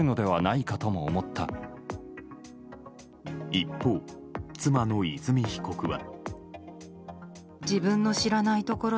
一方、妻の和美被告は。